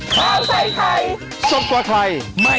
เพิ่มเวลา